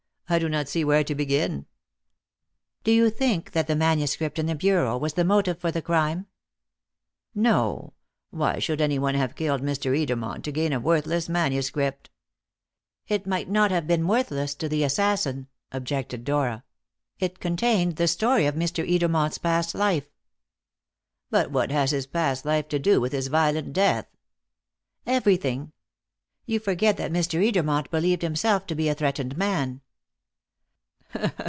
I do not see where to begin." "Do you think that the manuscript in the bureau was the motive for the crime?" "No. Why should anyone have killed Mr. Edermont to gain a worthless manuscript?" "It might not have been worthless to the assassin," objected Dora; "it contained the story of Mr. Edermont's past life." "But what has his past life to do with his violent death?" "Everything. You forget that Mr. Edermont believed himself to be a threatened man."